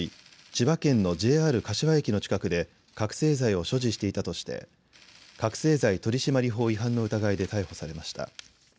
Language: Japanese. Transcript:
千葉県のＪＲ柏駅の近くで覚醒剤を所持していたとして覚醒剤取締法違反の疑いで逮捕されました。